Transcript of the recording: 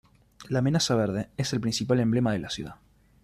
La "Amenaza Verde" es el principal emblema de la ciudad.